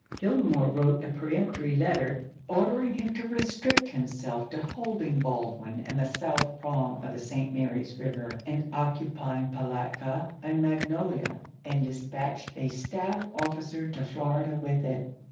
Grillmore wrote a peremptory letter, ordering him to restrict himself to holding Baldwin and the south prong of the St. Mary's River and occupying Palatka and Magnolia, and dispatched a staff officer to Florida with it.